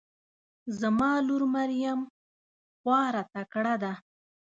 زما لور مريم خواره تکړه ده